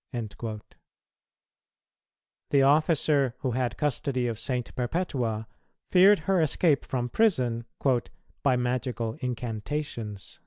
"[229:6] The officer who had custody of St. Perpetua feared her escape from prison "by magical incantations."